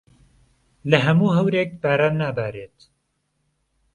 له ههموو ههورێک باران نابارێت